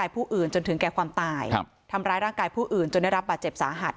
ผู้อื่นจนถึงแก่ความตายทำร้ายร่างกายผู้อื่นจนได้รับบาดเจ็บสาหัส